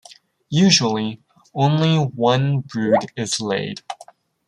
Usually, only one brood is laid.